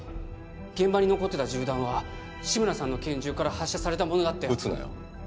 現場に残ってた銃弾は志村さんの拳銃から発射されたものだって撃つなよ